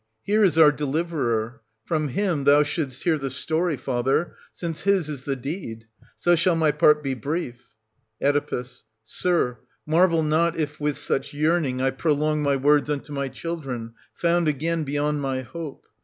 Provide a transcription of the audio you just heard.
Here is our deliverer : from him thou shouldst hear the story, father, since his is the deed; so shall my part be brief. Oe. Sir, marvel not, if with such yearning I pro long my words unto my children, found again beyond 1120 my hope.